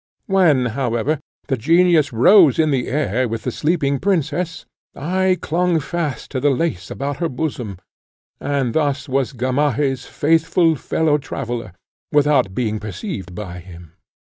When, however, the Genius rose in the air with the sleeping princess, I clung fast to the lace about her bosom, and thus was Gamaheh's faithful fellow traveller, without being perceived by him.